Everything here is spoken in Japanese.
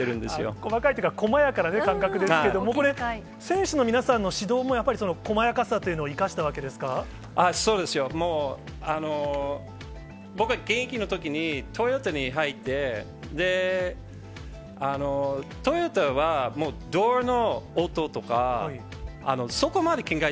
細かいっていうか、細やかな感覚ですけど、これ、選手の皆さんの指導もやっぱり細やかさというのを生かしたわけでそうですよ、もう、僕は現役のときに、トヨタに入って、トヨタはもう、ドアの音とか、車の。